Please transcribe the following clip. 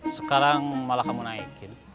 sekarang malah kamu naikin